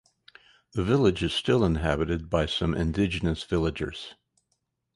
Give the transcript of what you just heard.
The village is still inhabited by some indigenous villagers.